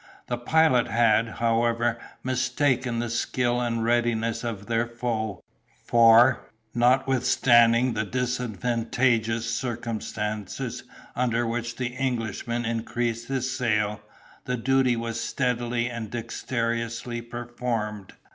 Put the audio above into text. The Pilot had, however, mistaken the skill and readiness of their foe; for, notwithstanding the disadvantageous circumstances under which the Englishman increased his sail, the duty was steadily and dexterously performed.